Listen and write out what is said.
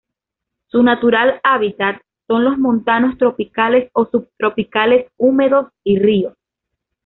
Su natural hábitat son los montanos tropicales o subtropicales húmedos y ríos.